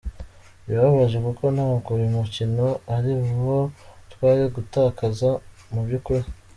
Birababaje kuko ntabwo uyu mukino ari uwo twari gutakaza mu by’ukuri.